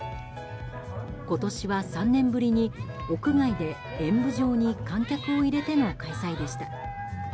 今年は３年ぶりに、屋外で演舞場に観客を入れての開催でした。